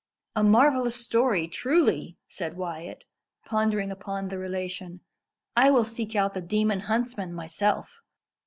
"A marvellous story, truly!" said Wyat, pondering upon the relation. "I will seek out the demon huntsman myself."